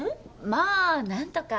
まあ何とか。